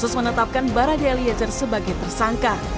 polisi mengatakan tembakan barada eliezer bukan bentuk tersebut